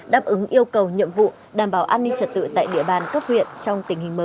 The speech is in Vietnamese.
đáp ứng yêu cầu nhiệm vụ đảm bảo an ninh trật tự tại địa bàn cấp huyện trong tình hình mới